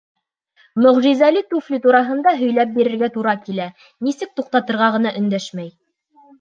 Мөғжизәле туфли тураһында һөйләп бирергә тура килә, нисек туҡтатырға ғына өндәшмәй.